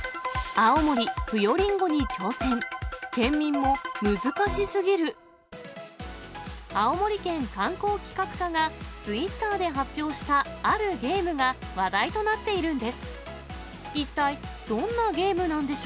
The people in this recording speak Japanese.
青森県観光企画課がツイッターで発表したあるゲームが、話題となっているんです。